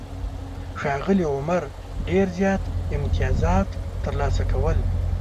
ښاغلي عمر ډېر زیات امتیازات ترلاسه کول.